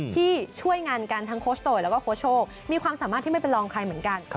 ที่ช่วยงานกันทั้งโคชโตยแล้วก็โค้ชโชคมีความสามารถที่ไม่เป็นรองใครเหมือนกัน